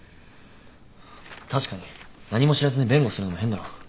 確かに何も知らずに弁護するのも変だろ。